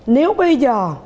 nếu bây giờ